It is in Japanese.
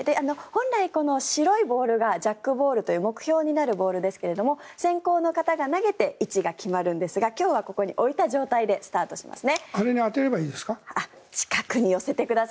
本来この白いボールがジャックボールという目標になるボールですが先攻の方が投げて位置が決まるんですが今日はここに置いた状態で始めます。